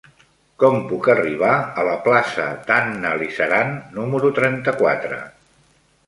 Com puc arribar a la plaça d'Anna Lizaran número trenta-quatre?